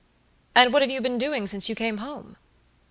"And what have you been doing since you came home?"